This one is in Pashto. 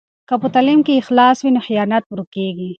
که په تعلیم کې اخلاص وي نو خیانت ورکېږي.